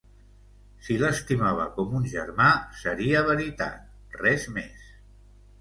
Si l'estimava com un germà, seria veritat, res més.